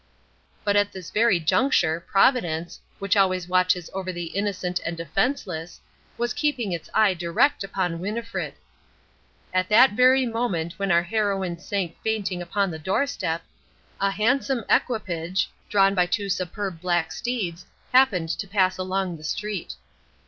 But at this very juncture Providence, which always watches over the innocent and defenceless, was keeping its eye direct upon Winnifred. At that very moment when our heroine sank fainting upon the doorstep, a handsome equipage, drawn by two superb black steeds, happened to pass along the street.